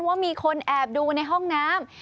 ว่ามีคนแอบดูในห้องน้ำ